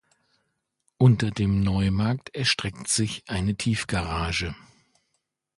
Unter dem Neumarkt erstreckt sich eine Tiefgarage.